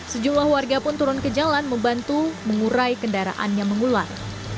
sejumlah warga pun turun ke jalan membantu mengurai kendaraannya mengular